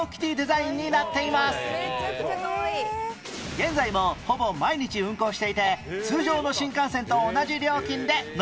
現在もほぼ毎日運行していて通常の新幹線と同じ料金で乗る事ができるんです